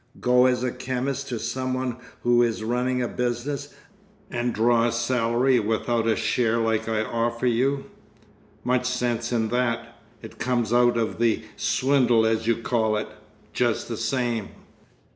Go as chemist to some one who is running a business, and draw a salary without a share like I offer you. Much sense in that! It comes out of the swindle as you call it—just the same."